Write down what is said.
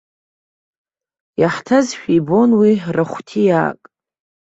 Иаҳҭазшәа ибон уи рахә ҭиаак.